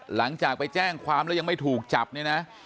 หลังจากไปแจ้งความแล้วยังไม่ถูกจับเนี่ยนะ